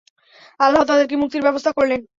আল্লাহ তাদেরকে মুক্তির ব্যবস্থা করলেন।